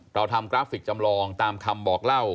ทำกราฟิกจำลองตามคำบอกเล่า